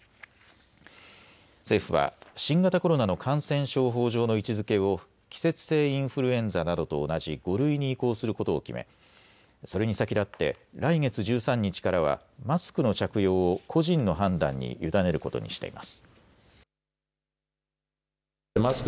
政府は新型コロナの感染症法上の位置づけを季節性インフルエンザなどと同じ５類に移行することを決め、それに先立って来月１３日からはマスクの着用を個人の判断に委ねることにしています。